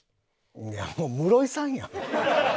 いやもう室井さんやん。